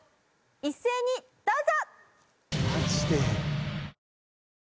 一斉にどうぞ！